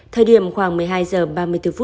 thời điểm khoảng một mươi hai h ba mươi bốn